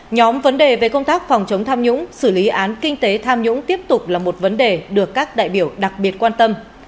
nhóm vấn đề về công tác phòng chống tham nhũng xử lý án kinh tế tham nhũng tiếp tục là một vấn đề được các đại biểu đặc biệt quan tâm